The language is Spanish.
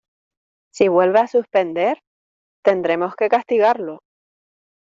Si vuelve a suspender, tendremos que castigarlo.